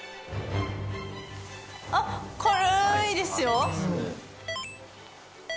あっ軽いですよ！